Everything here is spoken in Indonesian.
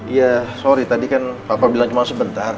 iya sorry tadi kan papa bilang cuma sebentar